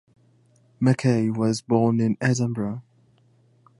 Mackay was born in Edinburgh.